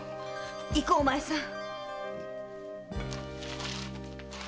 行こうお前さん。